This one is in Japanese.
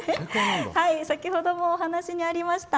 先ほどもお話にありました